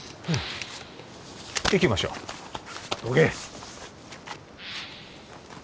行きましょうどけ